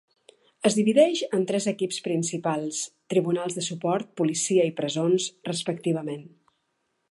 Es divideix en tres equips principals: tribunals de suport, policia i presons, respectivament.